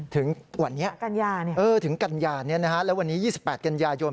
ถึงวันนี้ถึงกัญญาถึงกัญญาแล้ววันนี้๒๘กัญญายนต์